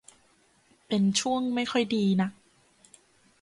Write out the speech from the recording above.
เป็นช่วงไม่ค่อยดีนัก